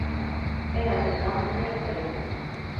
En azından bunu yapayım.